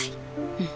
うん。